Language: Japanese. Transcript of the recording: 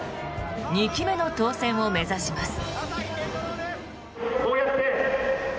２期目の当選を目指します。